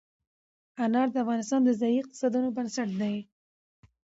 انار د افغانستان د ځایي اقتصادونو بنسټ دی.